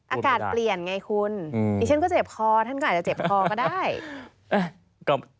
อากาศเปลี่ยนไงคุณดิฉันก็เจ็บคอท่านก็อาจจะเจ็บคอก็ได้